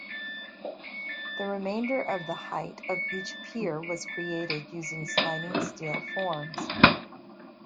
The remainder of the height of each pier was created using sliding steel forms.